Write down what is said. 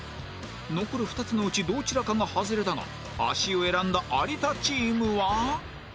残る２つのうちどちらかがハズレだが足湯を選んだ有田チームは